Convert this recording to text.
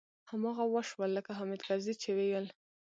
هماغه و شول لکه حامد کرزي چې ويل.